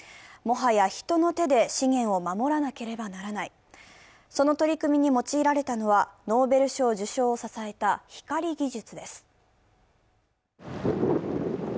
もはや人の手で資源を守らなければならない、その取り組みに用いられたのはノーベル賞受賞を支えた光技術です。